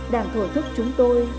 đang thổi thức chúng tôi